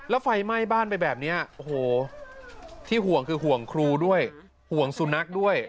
แล้วไฟไหม้บ้านไปแบบนี้โอ้โหที่ห่วงคือห่วงครูด้วยห่วงสุนัขด้วย